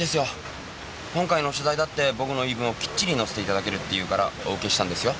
今回の取材だって僕の言い分をキッチリ載せていただけると言うからお受けしたんですよ？